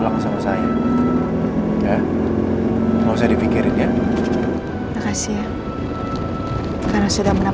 aku masih harus sembunyikan masalah lo andin dari mama